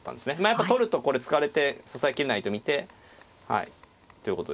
やっぱ取るとこれ突かれて支えきれないと見てはい。ということですね。